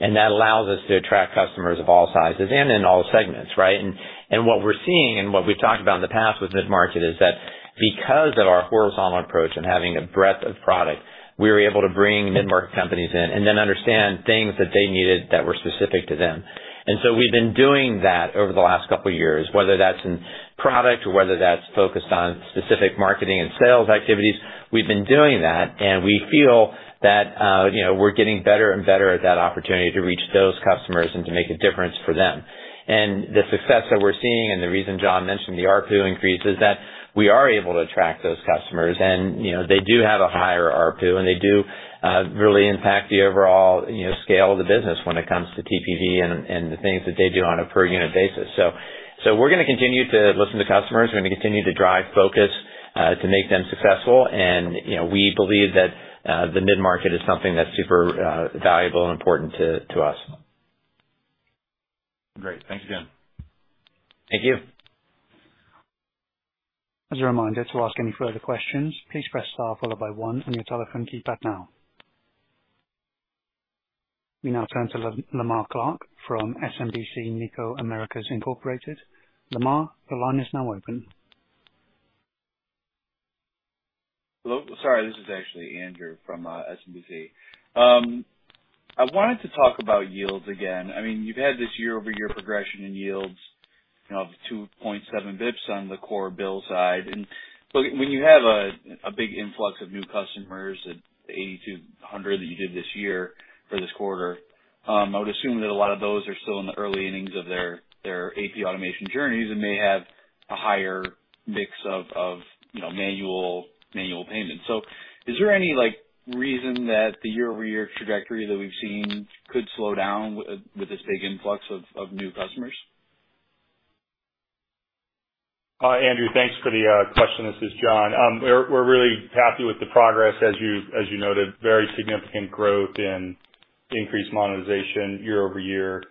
and that allows us to attract customers of all sizes and in all segments, right? What we're seeing and what we've talked about in the past with mid-market is that because of our horizontal approach and having a breadth of product, we were able to bring mid-market companies in and then understand things that they needed that were specific to them. We've been doing that over the last couple years, whether that's in product or whether that's focused on specific marketing and sales activities. We've been doing that, and we feel that we're getting better and better at that opportunity to reach those customers and to make a difference for them. The success that we're seeing and the reason John mentioned the ARPU increase is that we are able to attract those customers and, you know, they do have a higher ARPU, and they do really impact the overall, you know, scale of the business when it comes to TPV and the things that they do on a per unit basis. So we're gonna continue to listen to customers, we're gonna continue to drive focus to make them successful and, you know, we believe that the mid-market is something that's super valuable and important to us. Great. Thanks again. Thank you. We now turn to Andrew Clark from SMBC Nikko Securities America, Inc. Andrew, the line is now open. Hello. Sorry, this is actually Andrew from SMBC. I wanted to talk about yields again. I mean, you've had this year-over-year progression in yields of 2.7 bps on the core BILL side. When you have a big influx of new customers, the 80-100 that you did this year for this quarter, I would assume that a lot of those are still in the early innings of their AP automation journeys and may have a higher mix of, you know, manual payments. Is there any, like, reason that the year-over-year trajectory that we've seen could slow down with this big influx of new customers? Andrew, thanks for the question. This is John. We're really happy with the progress. As you noted, very significant growth in increased monetization year over year.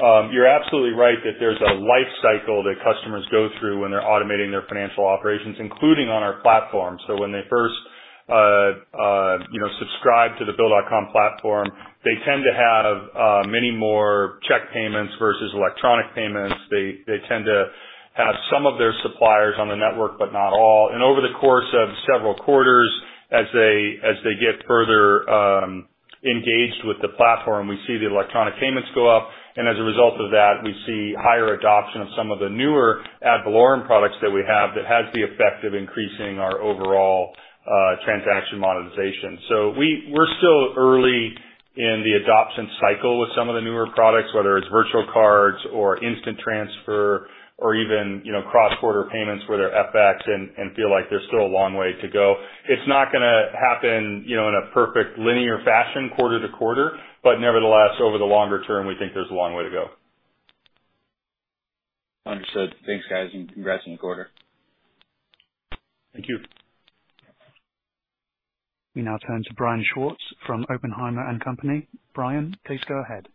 You're absolutely right that there's a life cycle that customers go through when they're automating their financial operations, including on our platform. When they first, you know, subscribe to the Bill.com platform, they tend to have many more check payments versus electronic payments. They tend to have some of their suppliers on the network, but not all. Over the course of several quarters, as they get further engaged with the platform, we see the electronic payments go up, and as a result of that, we see higher adoption of some of the newer Ad Valorem products that we have that has the effect of increasing our overall transaction monetization. So we're still early in the adoption cycle with some of the newer products, whether it's virtual cards or Instant Transfer or even, you know, cross-border payments, where they're FX and feel like there's still a long way to go. It's not gonna happen, you know, in a perfect linear fashion quarter to quarter, but nevertheless, over the longer term, we think there's a long way to go. Understood. Thanks, guys, and congrats on the quarter. Thank you. We now turn to Brian Schwartz from Oppenheimer & Co. Inc. Brian, please go ahead.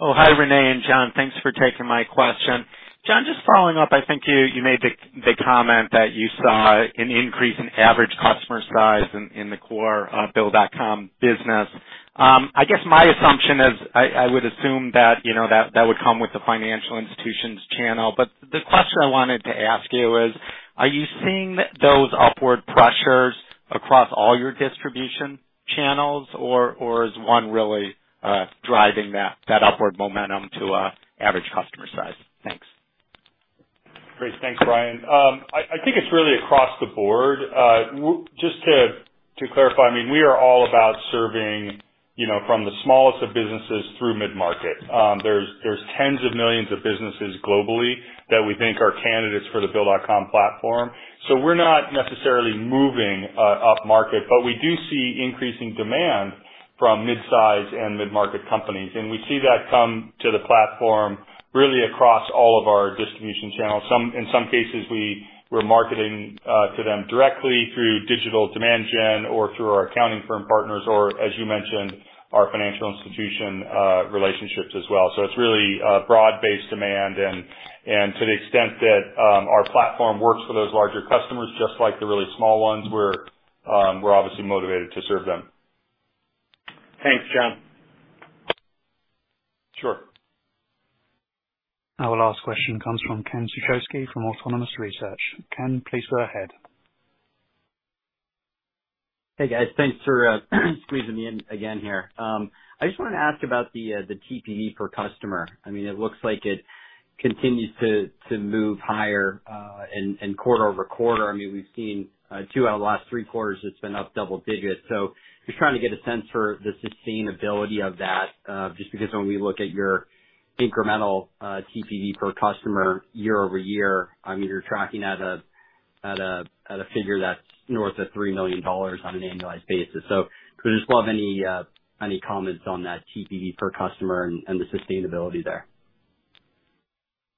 Oh, hi, René and John. Thanks for taking my question. John, just following up, I think you made the comment that you saw an increase in average customer size in the core Bill.com business. I guess my assumption is I would assume that, you know, that would come with the financial institutions channel. The question I wanted to ask you is, are you seeing those upward pressures across all your distribution channels or is one really driving that upward momentum to average customer size? Thanks. Great. Thanks, Brian. I think it's really across the board. Just to clarify, I mean, we are all about serving, you know, from the smallest of businesses through mid-market. There's tens of millions of businesses globally that we think are candidates for the Bill.com platform. So we're not necessarily moving upmarket, but we do see increasing demand from mid-size and mid-market companies, and we see that come to the platform really across all of our distribution channels. In some cases we're marketing to them directly through digital demand gen or through our accounting firm partners or, as you mentioned, our financial institution relationships as well. It's really a broad-based demand and to the extent that our platform works for those larger customers, just like the really small ones, we're obviously motivated to serve them. Thanks, John. Sure. Our last question comes from Ken Suchoski from Autonomous Research. Ken, please go ahead. Hey, guys. Thanks for squeezing me in again here. I just wanted to ask about the TPV per customer. I mean, it looks like it continues to move higher and quarter-over-quarter. I mean, we've seen two out of the last three quarters, it's been up double digits. So just trying to get a sense for the sustainability of that just because when we look at your incremental TPV per customer year-over-year, I mean, you're tracking at a figure that's north of $3 million on an annualized basis. So would just love any comments on that TPV per customer and the sustainability there.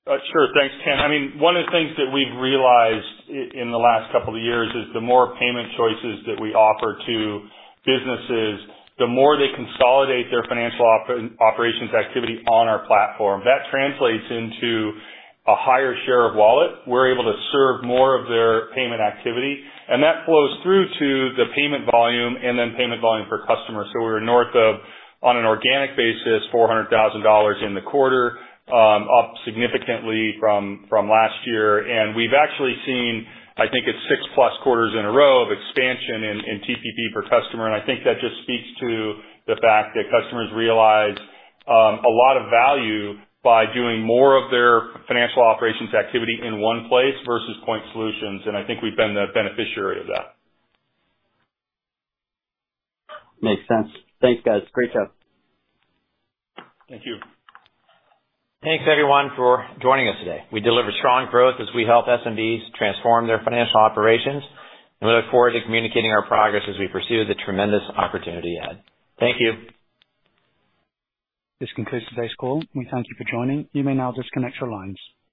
Sure. Thanks, Ken. I mean, one of the things that we've realized in the last couple of years is the more payment choices that we offer to businesses, the more they consolidate their financial operations activity on our platform. That translates into a higher share of wallet. We're able to serve more of their payment activity, and that flows through to the payment volume and then payment volume per customer. We're north of $400,000 in the quarter, on an organic basis, up significantly from last year. We've actually seen, I think it's 6+ quarters in a row of expansion in TPV per customer, and I think that just speaks to the fact that customers realize a lot of value by doing more of their financial operations activity in one place versus point solutions, and I think we've been the beneficiary of that. Makes sense. Thanks, guys. Great job. Thank you. Thanks, everyone, for joining us today. We delivered strong growth as we help SMBs transform their financial operations, and we look forward to communicating our progress as we pursue the tremendous opportunity ahead. Thank you. This concludes today's call. We thank you for joining. You may now disconnect your lines.